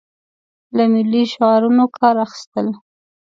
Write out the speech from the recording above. له ملي شعارونو کار اخیستل.